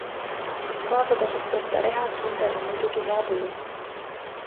Kaasa tasub võtta reha, kindad ja muidugi hea tuju.